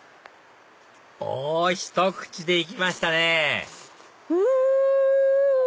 おひと口で行きましたねうん！